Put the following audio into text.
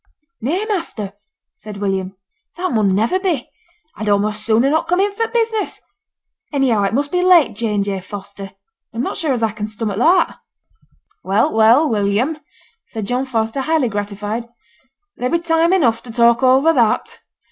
'Nay, master,' said William, 'that mun never be. I'd a'most sooner not come in for the business. Anyhow, it must be 'late J. and J. Foster,' and I'm not sure as I can stomach that.' 'Well, well, William,' said John Foster, highly gratified, 'there be time enough to talk over that.